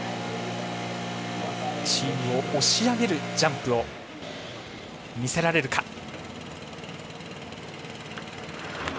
チームを押し上げるジャンプを見せられるか。